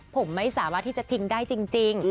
ผมไม่สามารถที่จะทิ้งได้จริง